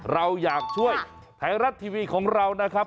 เราอยากช่วยไทยรัฐทีวีของเรานะครับ